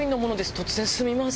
突然すみません。